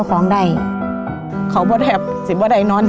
ลองกันถามอีกหลายเด้อ